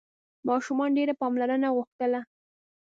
ماشومانو ډېره پاملرنه غوښتله.